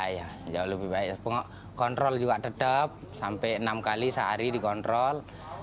jauh lebih baik kontrol juga tetap sampai enam kali sehari dikontrol